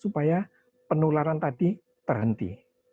penularan tadi terhenti